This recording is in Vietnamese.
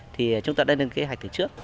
thì chúng tôi đã đưa ra kế hoạch từ trước